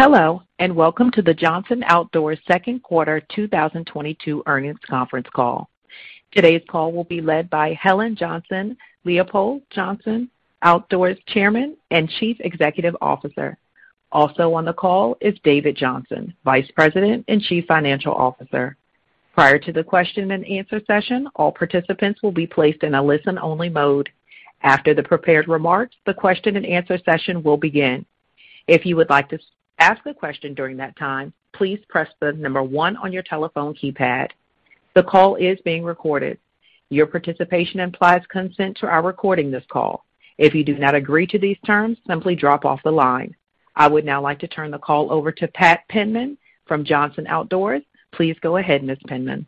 Hello, and welcome to the Johnson Outdoors second quarter 2022 earnings conference call. Today's call will be led by Helen Johnson-Leipold, Johnson Outdoors Chairman and Chief Executive Officer. Also on the call is David Johnson, Vice President and Chief Financial Officer. Prior to the question and answer session, all participants will be placed in a listen-only mode. After the prepared remarks, the question and answer session will begin. If you would like to ask a question during that time, please press the number one on your telephone keypad. The call is being recorded. Your participation implies consent to our recording this call. If you do not agree to these terms, simply drop off the line. I would now like to turn the call over to Pat Penman from Johnson Outdoors. Please go ahead, Ms. Penman.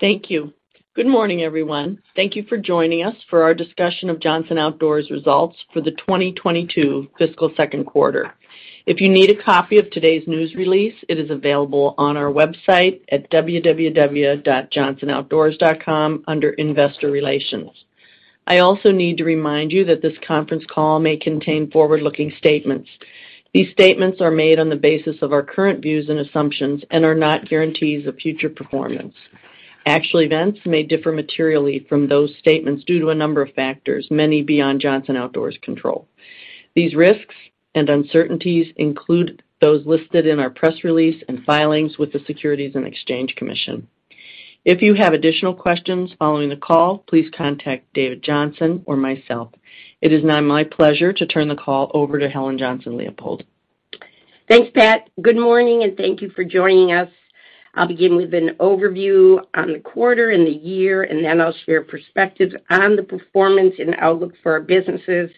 Thank you. Good morning, everyone. Thank you for joining us for our discussion of Johnson Outdoors results for the 2022 fiscal second quarter. If you need a copy of today's news release, it is available on our website at www.johnsonoutdoors.com under Investor Relations. I also need to remind you that this conference call may contain forward-looking statements. These statements are made on the basis of our current views and assumptions and are not guarantees of future performance. Actual events may differ materially from those statements due to a number of factors, many beyond Johnson Outdoors' control. These risks and uncertainties include those listed in our press release and filings with the Securities and Exchange Commission. If you have additional questions following the call, please contact David Johnson or myself. It is now my pleasure to turn the call over to Helen Johnson-Leipold. Thanks, Pat. Good morning, and thank you for joining us. I'll begin with an overview on the quarter and the year, and then I'll share perspectives on the performance and outlook for our businesses.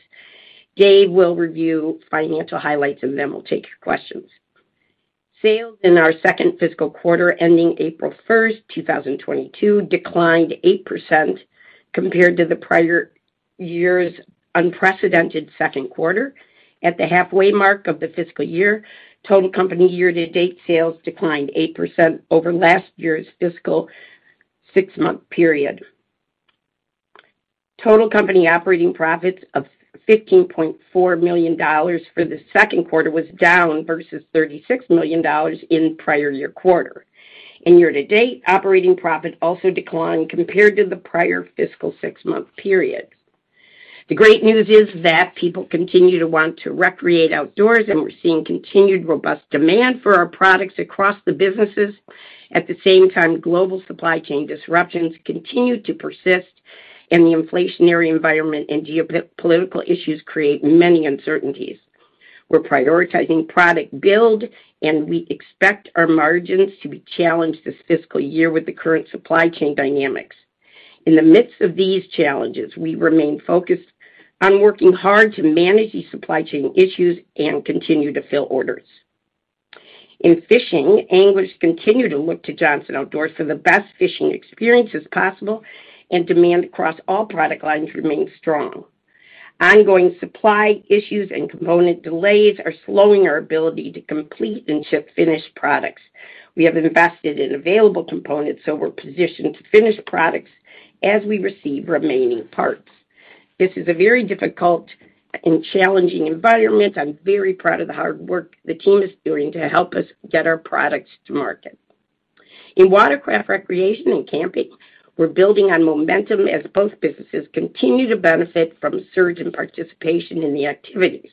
Dave will review financial highlights, and then we'll take your questions. Sales in our second fiscal quarter ending April 1, 2022 declined 8% compared to the prior year's unprecedented second quarter. At the halfway mark of the fiscal year, total company year-to-date sales declined 8% over last year's fiscal six-month period. Total company operating profits of $15.4 million for the second quarter was down versus $36 million in prior year quarter. In year-to-date, operating profit also declined compared to the prior fiscal six-month period. The great news is that people continue to want to recreate outdoors, and we're seeing continued robust demand for our products across the businesses. At the same time, global supply chain disruptions continue to persist, and the inflationary environment and geo-political issues create many uncertainties. We're prioritizing product build, and we expect our margins to be challenged this fiscal year with the current supply chain dynamics. In the midst of these challenges, we remain focused on working hard to manage these supply chain issues and continue to fill orders. In fishing, anglers continue to look to Johnson Outdoors for the best fishing experiences possible, and demand across all product lines remains strong. Ongoing supply issues and component delays are slowing our ability to complete and ship finished products. We have invested in available components, so we're positioned to finish products as we receive remaining parts. This is a very difficult and challenging environment. I'm very proud of the hard work the team is doing to help us get our products to market. In Watercraft Recreation and Camping, we're building on momentum as both businesses continue to benefit from surge in participation in the activities.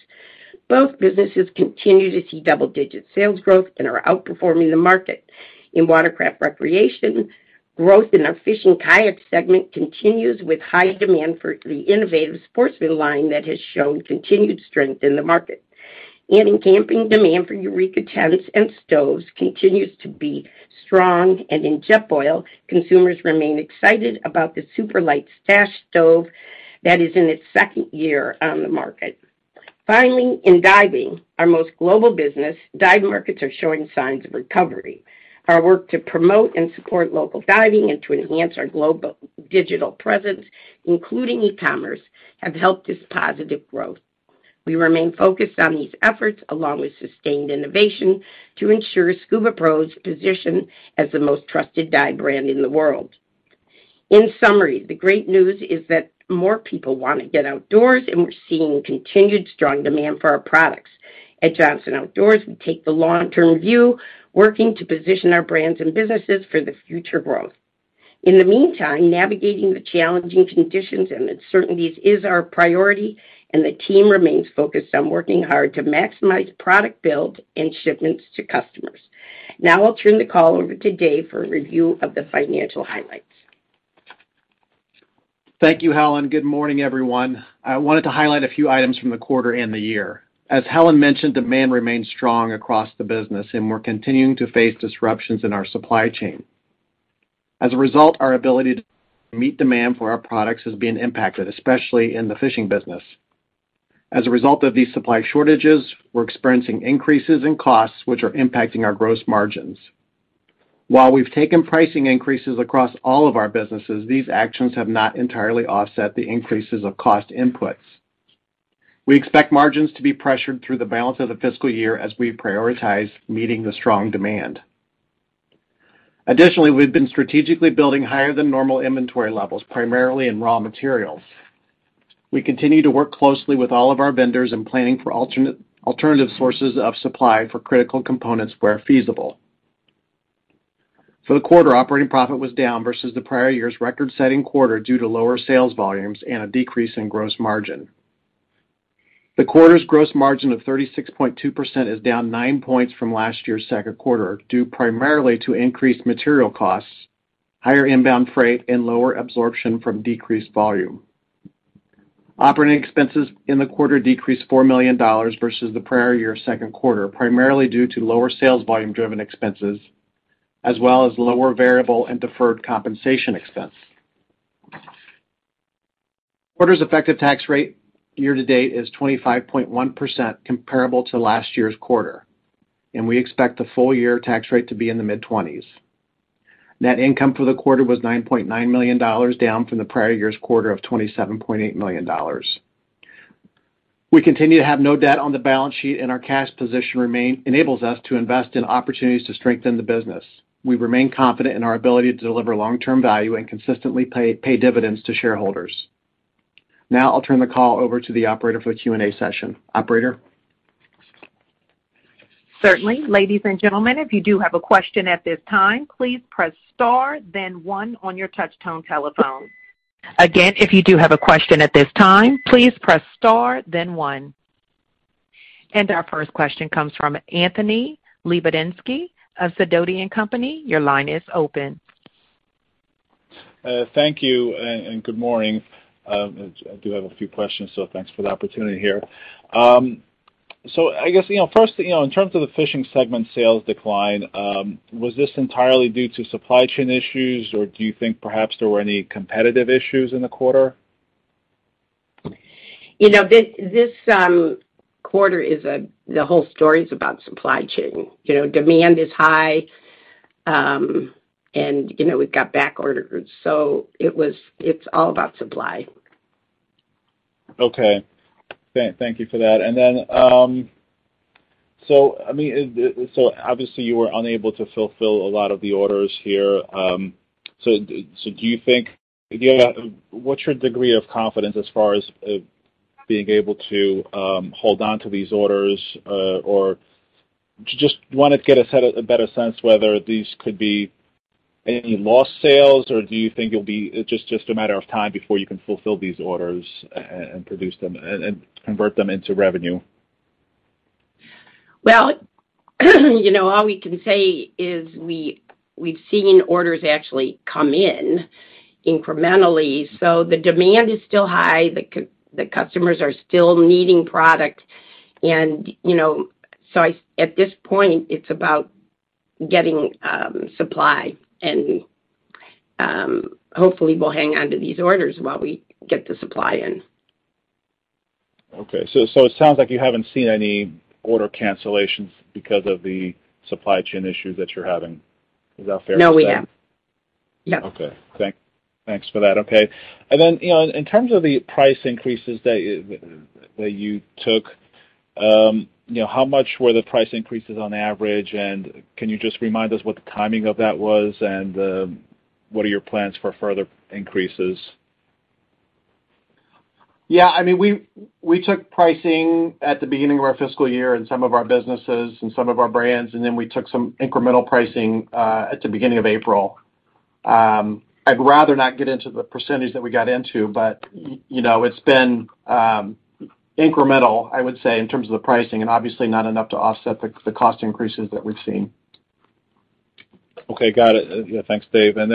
Both businesses continue to see double-digit sales growth and are outperforming the market. In Watercraft Recreation, growth in our fishing kayak segment continues with high demand for the innovative Sportsman line that has shown continued strength in the market. In Camping, demand for Eureka tents and stoves continues to be strong, and in Jetboil, consumers remain excited about the SuperLight Stash stove that is in its second year on the market. Finally, in Diving, our most global business, dive markets are showing signs of recovery. Our work to promote and support local diving and to enhance our global digital presence, including e-commerce, have helped this positive growth. We remain focused on these efforts, along with sustained innovation to ensure SCUBAPRO's position as the most trusted dive brand in the world. In summary, the great news is that more people wanna get outdoors, and we're seeing continued strong demand for our products. At Johnson Outdoors, we take the long-term view, working to position our brands and businesses for the future growth. In the meantime, navigating the challenging conditions and uncertainties is our priority, and the team remains focused on working hard to maximize product build and shipments to customers. Now I'll turn the call over to Dave for a review of the financial highlights. Thank you, Helen. Good morning, everyone. I wanted to highlight a few items from the quarter and the year. As Helen mentioned, demand remains strong across the business, and we're continuing to face disruptions in our supply chain. As a result, our ability to meet demand for our products is being impacted, especially in the fishing business. As a result of these supply shortages, we're experiencing increases in costs, which are impacting our gross margins. While we've taken pricing increases across all of our businesses, these actions have not entirely offset the increases of cost inputs. We expect margins to be pressured through the balance of the fiscal year as we prioritize meeting the strong demand. Additionally, we've been strategically building higher than normal inventory levels, primarily in raw materials. We continue to work closely with all of our vendors in planning for alternative sources of supply for critical components where feasible. For the quarter, operating profit was down versus the prior year's record-setting quarter due to lower sales volumes and a decrease in gross margin. The quarter's gross margin of 36.2% is down nine points from last year's second quarter, due primarily to increased material costs, higher inbound freight, and lower absorption from decreased volume. Operating expenses in the quarter decreased $4 million versus the prior year's second quarter, primarily due to lower sales volume-driven expenses as well as lower variable and deferred compensation expense. Quarter's effective tax rate year to date is 25.1% comparable to last year's quarter, and we expect the full year tax rate to be in the mid-20s%. Net income for the quarter was $9.9 million, down from the prior year's quarter of $27.8 million. We continue to have no debt on the balance sheet, and our cash position enables us to invest in opportunities to strengthen the business. We remain confident in our ability to deliver long-term value and consistently pay dividends to shareholders. Now I'll turn the call over to the operator for the Q&A session. Operator? Certainly. Ladies and gentlemen, if you do have a question at this time, please press star then one on your touch tone telephone. Again, if you do have a question at this time, please press star then one. Our first question comes from Anthony Lebiedzinski of Sidoti & Company. Your line is open. Thank you and good morning. I do have a few questions, so thanks for the opportunity here. I guess, you know, first, you know, in terms of the fishing segment sales decline, was this entirely due to supply chain issues, or do you think perhaps there were any competitive issues in the quarter? You know, this quarter is the whole story's about supply chain. You know, demand is high, and, you know, we've got back orders, so it's all about supply. Okay. Thank you for that. Obviously, you were unable to fulfill a lot of the orders here. Do you think, you know, what's your degree of confidence as far as being able to hold on to these orders, or just want a better sense whether these could be any lost sales? Or do you think it'll be just a matter of time before you can fulfill these orders and produce them and convert them into revenue? Well, you know, all we can say is we've seen orders actually come in incrementally, so the demand is still high. The customers are still needing product and, you know, at this point, it's about getting supply and hopefully we'll hang on to these orders while we get the supply in. Okay. It sounds like you haven't seen any order cancellations because of the supply chain issues that you're having. Is that fair to say? No, we haven't. No. Okay. Thanks for that. Okay. Then, you know, in terms of the price increases that you took, you know, how much were the price increases on average? Can you just remind us what the timing of that was and, what are your plans for further increases? Yeah. I mean, we took pricing at the beginning of our fiscal year in some of our businesses and some of our brands, and then we took some incremental pricing at the beginning of April. I'd rather not get into the percentage that we got into, but you know, it's been incremental, I would say, in terms of the pricing and obviously not enough to offset the cost increases that we've seen. Okay. Got it. Yeah, thanks, Dave. As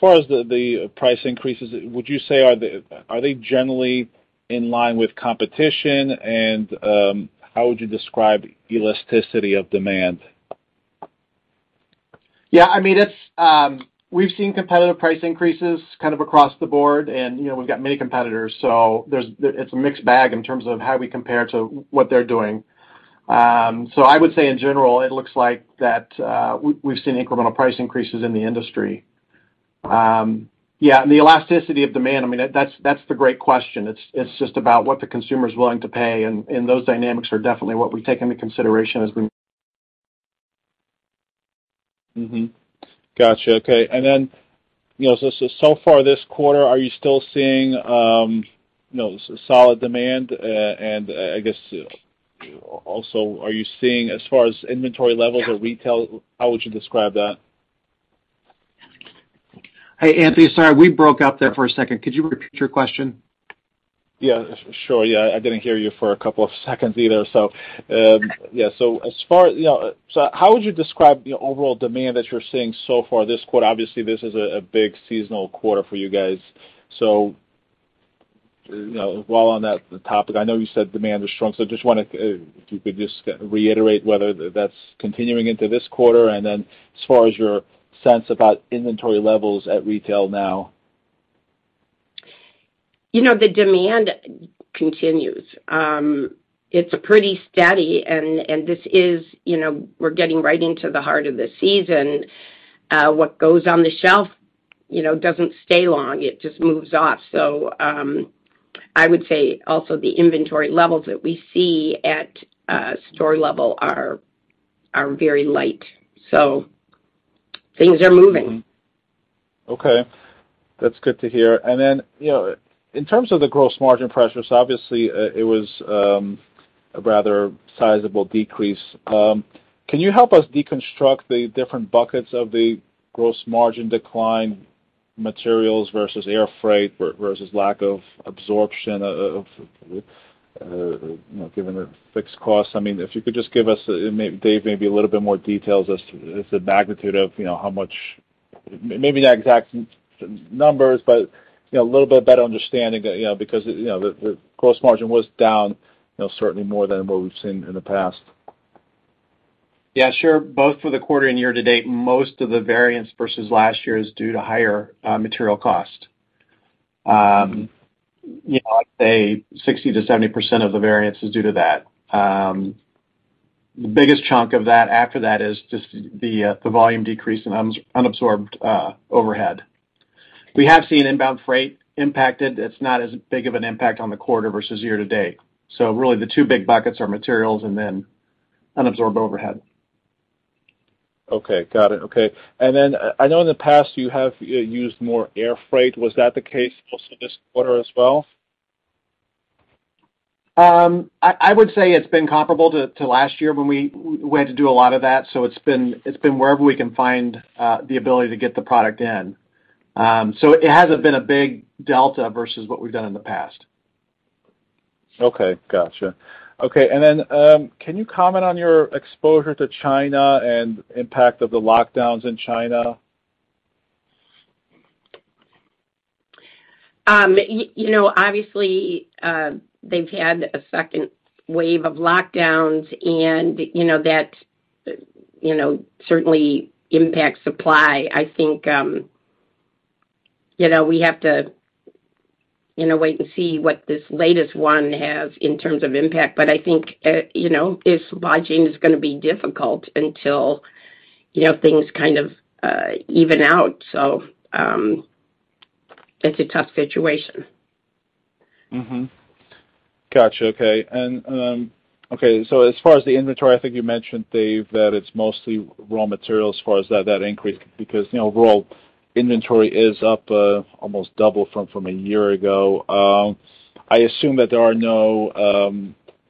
far as the price increases, would you say are they generally in line with competition? How would you describe elasticity of demand? Yeah, I mean, it's. We've seen competitive price increases kind of across the board and, you know, we've got many competitors, so it's a mixed bag in terms of how we compare to what they're doing. I would say in general, it looks like that we've seen incremental price increases in the industry. Yeah, the elasticity of demand, I mean, that's the great question. It's just about what the consumer's willing to pay, and those dynamics are definitely what we take into consideration as we- Mm-hmm. Gotcha. Okay. You know, so far this quarter, are you still seeing, you know, solid demand? I guess, also, are you seeing as far as inventory levels or retail, how would you describe that? Hey, Anthony, sorry, we broke up there for a second. Could you repeat your question? Yeah, sure. Yeah, I didn't hear you for a couple of seconds either. Yeah. How would you describe the overall demand that you're seeing so far this quarter? Obviously, this is a big seasonal quarter for you guys. You know, while on that topic, I know you said demand is strong, so just wanna if you could just reiterate whether that's continuing into this quarter and then as far as your sense about inventory levels at retail now. You know, the demand continues. It's pretty steady and this is, you know, we're getting right into the heart of the season. What goes on the shelf, you know, doesn't stay long. It just moves off. I would say also the inventory levels that we see at store level are very light, so things are moving. Okay. That's good to hear. You know, in terms of the gross margin pressures, obviously, it was a rather sizable decrease. Can you help us deconstruct the different buckets of the gross margin decline materials versus air freight versus lack of absorption of fixed costs, you know, given the fixed costs? I mean, if you could just give us, maybe Dave, maybe a little bit more details as to the magnitude of, you know, how much. Maybe not exact numbers, but, you know, a little bit better understanding, you know, because, you know, the gross margin was down, you know, certainly more than what we've seen in the past. Yeah, sure. Both for the quarter and year to date, most of the variance versus last year is due to higher material costs. You know, I'd say 60%-70% of the variance is due to that. The biggest chunk of that after that is just the volume decrease in unabsorbed overhead. We have seen inbound freight impacted. It's not as big of an impact on the quarter versus year to date. Really, the two big buckets are materials and then unabsorbed overhead. Okay. Got it. Okay. I know in the past you have used more air freight. Was that the case also this quarter as well? I would say it's been comparable to last year when we had to do a lot of that. It's been wherever we can find the ability to get the product in. It hasn't been a big delta versus what we've done in the past. Okay. Gotcha. Okay. Can you comment on your exposure to China and impact of the lockdowns in China? You know, obviously, they've had a second wave of lockdowns and, you know, that certainly impacts supply. I think, you know, we have to, you know, wait and see what this latest one has in terms of impact. I think, you know, this supply chain is gonna be difficult until, you know, things kind of even out. It's a tough situation. Mm-hmm. Gotcha. Okay. As far as the inventory, I think you mentioned, Dave, that it's mostly raw materials as far as that increase because, you know, raw inventory is up almost double from a year ago. I assume that there are no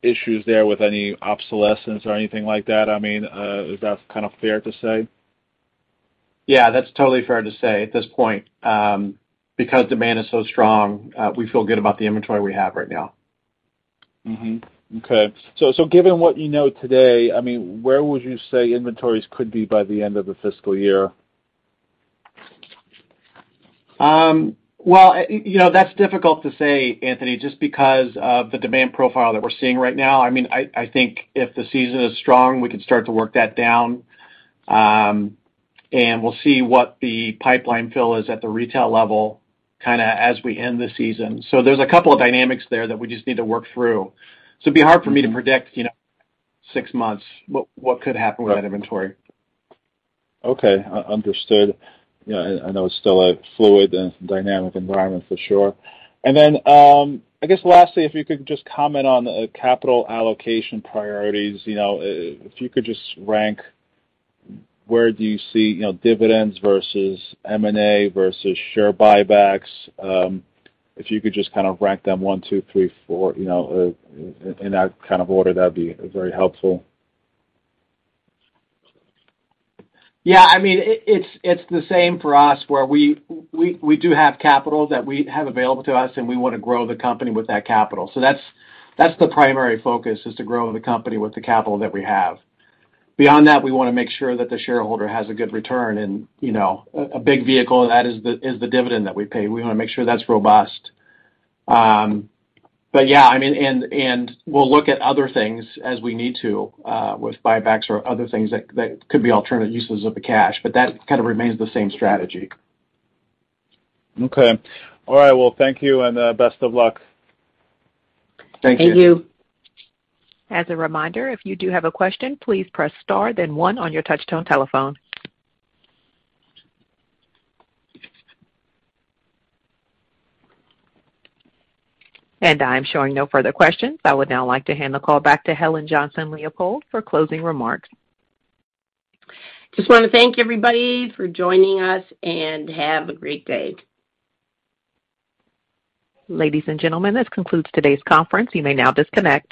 issues there with any obsolescence or anything like that. I mean, is that kind of fair to say? Yeah, that's totally fair to say at this point. Because demand is so strong, we feel good about the inventory we have right now. Mm-hmm. Okay. Given what you know today, I mean, where would you say inventories could be by the end of the fiscal year? Well, you know, that's difficult to say, Anthony, just because of the demand profile that we're seeing right now. I mean, I think if the season is strong, we can start to work that down. We'll see what the pipeline fill is at the retail level kinda as we end this season. There's a couple of dynamics there that we just need to work through. It'd be hard for me to predict, you know, six months what could happen with that inventory. Okay. Understood. You know, I know it's still a fluid and dynamic environment for sure. I guess lastly, if you could just comment on capital allocation priorities. You know, if you could just rank where do you see, you know, dividends versus M&A versus share buybacks. If you could just kind of rank them one, two, three, four, you know, in that kind of order, that'd be very helpful. Yeah. I mean, it's the same for us, where we do have capital that we have available to us, and we wanna grow the company with that capital. That's the primary focus, is to grow the company with the capital that we have. Beyond that, we wanna make sure that the shareholder has a good return and, you know, a big vehicle of that is the dividend that we pay. We wanna make sure that's robust. Yeah, I mean, we'll look at other things as we need to, with buybacks or other things that could be alternative uses of the cash, but that kind of remains the same strategy. Okay. All right. Well, thank you, and best of luck. Thank you. Thank you. As a reminder, if you do have a question, please press star then one on your touch tone telephone. I'm showing no further questions. I would now like to hand the call back to Helen Johnson-Leipold for closing remarks. Just wanna thank everybody for joining us, and have a great day. Ladies and gentlemen, this concludes today's conference. You may now disconnect.